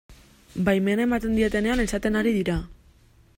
Baimena ematen dietenean esaten ari dira.